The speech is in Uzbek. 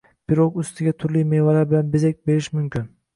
Pirog ustiga turli mevalar bilan bezak berish mumkin